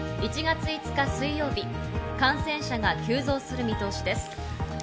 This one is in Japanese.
１月５日、水曜日、感染者が急増する見通しです。